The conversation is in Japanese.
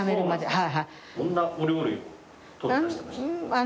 はい。